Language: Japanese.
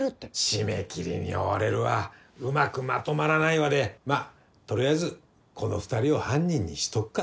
締め切りに追われるわうまくまとまらないわでまあ取りあえずこの２人を犯人にしとくかと。